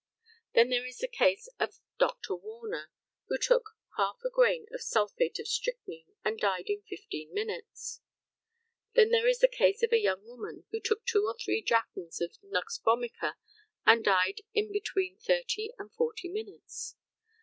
Then there is the case of Dr. Warner, who took half a grain of sulphate of strychnine, and died in fifteen minutes. Then there is the case of a young woman who took two or three drachms of nux vomica, and died in between thirty and forty minutes.